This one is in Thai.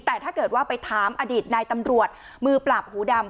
แต่ถ้าเกิดว่าไปถามอดีตนายตำรวจมือปราบหูดำ